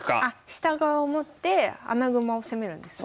下側を持って穴熊を攻めるんですね。